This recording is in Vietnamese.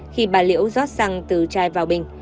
khi bà liễu rót xăng từ chai vào bình